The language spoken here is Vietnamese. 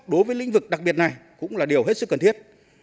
đối với lĩnh vực đặc biệt này cũng là điều hết sức cần thiết